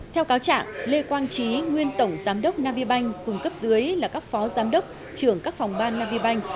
theo cáo trạng lê quang trí nguyên tổng giám đốc agribank cùng cấp dưới là các phó giám đốc trưởng các phòng ban nagibank